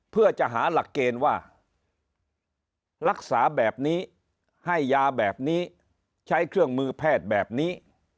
เพื่อจะหาหลักเกณฑ์ว่ารักษาแบบนี้ให้ยาแบบนี้ใช้เครื่องมือแพทย์แบบนี้